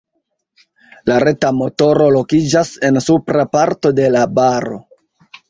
La reta motoro lokiĝas en supra parto de la baro.